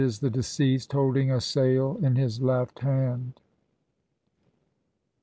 the deceased holding a sail in his left hand.